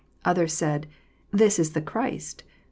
41 Others said, This is the Christ.